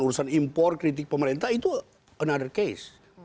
urusan impor kritik pemerintah itu another case